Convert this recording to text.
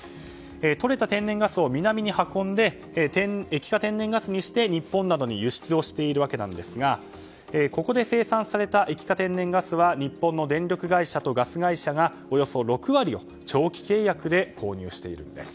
とれた天然ガスを南に運んで液化天然ガスにして日本などに輸出をしているわけですがここで生産された液化天然ガスは日本の電力会社とガス会社がおよそ６割を長期契約で購入しているんです。